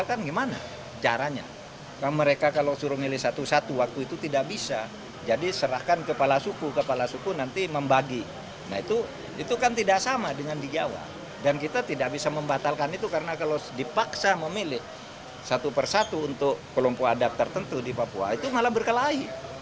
karena kalau dipaksa memilih satu persatu untuk kelompok adat tertentu di papua itu malah berkelahi